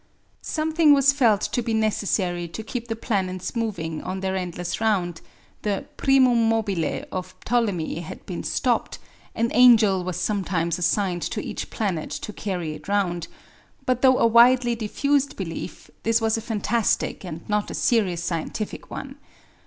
Something was felt to be necessary to keep the planets moving on their endless round; the primum mobile of Ptolemy had been stopped; an angel was sometimes assigned to each planet to carry it round, but though a widely diffused belief, this was a fantastic and not a serious scientific one.